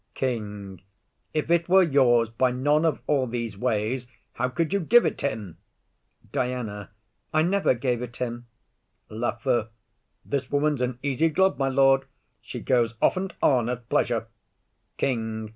KING. If it were yours by none of all these ways, How could you give it him? DIANA. I never gave it him. LAFEW. This woman's an easy glove, my lord; she goes off and on at pleasure. KING.